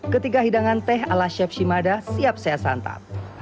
ketiga hidangan teh ala chef shimada siap saya santap